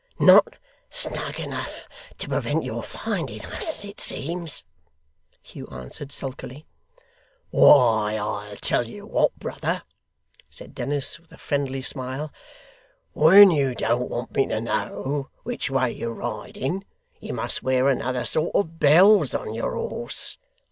'Not snug enough to prevent your finding us, it seems,' Hugh answered, sulkily. 'Why I'll tell you what, brother,' said Dennis, with a friendly smile, 'when you don't want me to know which way you're riding, you must wear another sort of bells on your horse.